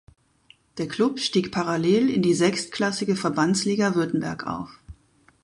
Der Klub stieg parallel in die sechstklassige Verbandsliga Württemberg auf.